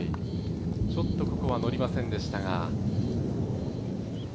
ちょっとここはのりませんでしたが。